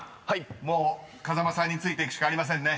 もう風間さんについていくしかありませんね］